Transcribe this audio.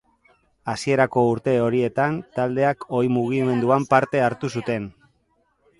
Hasierako urte horietan, taldeak oi mugimenduan parte hartu zuten.